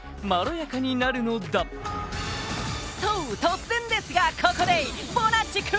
突然ですがここで」